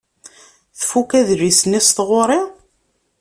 Tfuk adlis-nni s tɣuri?